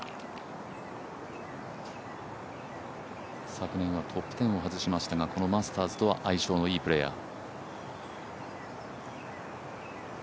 昨年はトップ１０を外しましたが、このマスターズとは相性のいいプレーヤー。